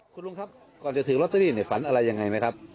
คุณลุงครับก่อนจะถือลอตเตอรี่ฝันอะไรยังไงไหมครับ